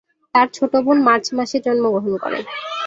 তার ছোট বোন মার্চ মাসে জন্মগ্রহণ করে।